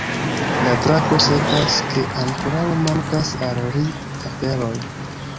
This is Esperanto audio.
La drako sentas, ke ankoraŭ mankas al ri aferoj.